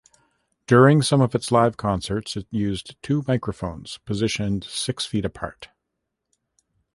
During some of its live concerts, it used two microphones positioned six feet apart.